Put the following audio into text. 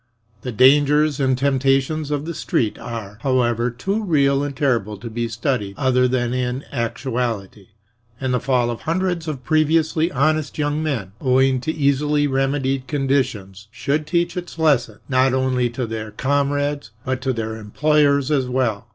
The dangers and temptations of the "Street" are, however, too real and terrible to be studied other than in actuality, and the fall of hundreds of previously honest young men owing to easily remedied conditions should teach its lesson, not only to their comrades, but to their employers as well.